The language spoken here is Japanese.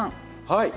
はい。